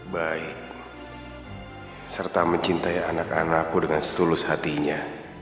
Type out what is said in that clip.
baik serta mencintai anak anakku dengan setulus hatinya